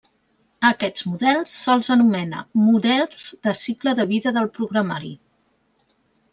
A aquests models se'ls anomena models de cicle de vida del programari.